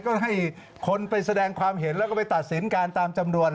ก็ให้คนไปแสดงความเห็นแล้วก็ไปตัดสินการตามจำนวน